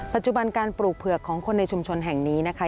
ปัจจุบันการปลูกเผือกของคนในชุมชนแห่งนี้นะคะ